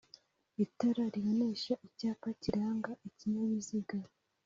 itara ribonesha icyapa kiranga ikinyabiziga